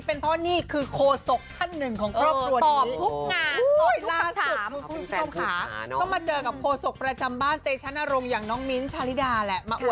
ดังนั้นเป็นเพราะว่านี้คือโคสกขั้นหนึ่งของครอบครัว